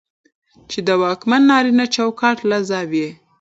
چې د واکمن نارينه چوکاټ له زاويې